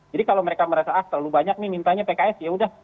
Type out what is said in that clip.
jadi kalau mereka merasa ah terlalu banyak ini mintanya pks ya sudah